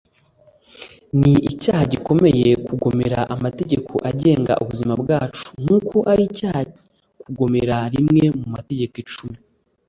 ni icyaha gikomeye kugomera amategeko agenga ubuzima bwacu nk'uko ari icyaha kugomera rimwe mu mategeko cumi